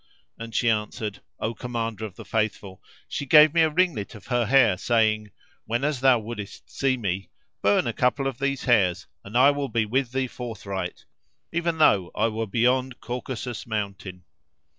and she answered, "O Commander of the Faithful, she gave me a ringlet of her hair saying: —Whenas thou wouldest see me, burn a couple of these hairs and I will be with thee forthright, even though I were beyond Caucasus mountain."